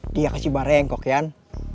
dia kecibarengkok yan